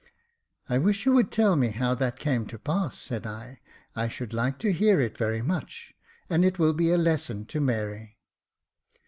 " I wish you would tell me how that came to pass," said I J *' I should like to hear it very much, and it will be a lesson to Mary."